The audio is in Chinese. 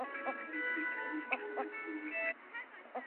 蒙盖亚尔人口变化图示